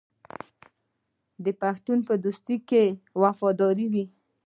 پښتون په دوستۍ کې وفادار وي.